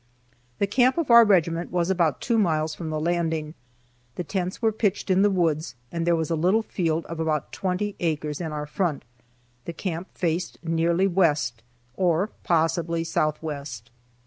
The camp of our regiment was about two miles from the landing. The tents were pitched in the woods, and there was a little field of about twenty acres in our front. The camp faced nearly west, or possibly southwest.